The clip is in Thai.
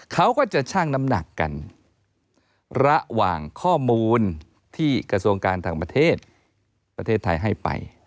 เขาก็จะชั่งน้ำหนักกันระหว่างข้อมูลที่กระทรวงการต่างประเทศประเทศไทยให้ไป